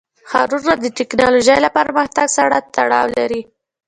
ښارونه د تکنالوژۍ له پرمختګ سره تړاو لري.